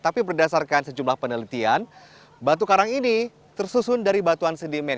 tapi berdasarkan sejumlah penelitian batu karang ini tersusun dari batuan sedimen